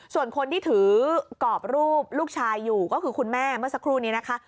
ส่วนคนที่ถือกรอบรูปลูกชายอยู่ก็คือคุณแม่เมื่อสักครู่นี้นะคะ